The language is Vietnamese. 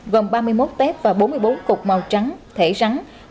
gồm ba mươi một tép và bốn mươi bốn cục màu trắng thể rắn